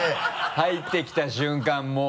入ってきた瞬間もう。